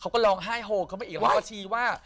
เขาก็ลองไห้โหก็ไปอีกรถก็ชี้ว่า